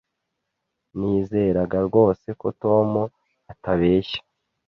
Nizeraga rwose ko Tom atabeshya.